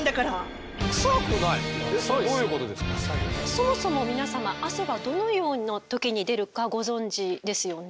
そもそも皆様汗はどのような時に出るかご存じですよね？